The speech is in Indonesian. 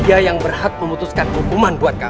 dia yang berhak memutuskan hukuman buat kami